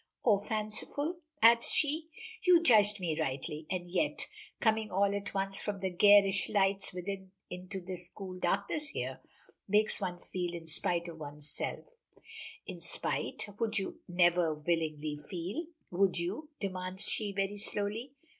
"Or fanciful?" adds she. "You judged me rightly, and yet coming all at once from the garish lights within into this cool sweet darkness here, makes one feel in spite of oneself." "In spite! Would you never willingly feel?" "Would you?" demands she very slowly.